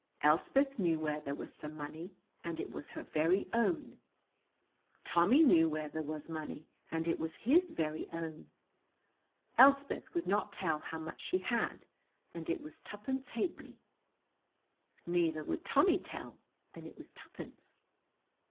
Elspeth knew where there was some money, and it was her very own. Tommy knew where there was money, and it was his very own. Elspeth would not tell how much she had, and it was twopence halfpenny. Neither would Tommy tell, and it was twopence.